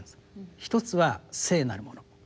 一つは聖なるもの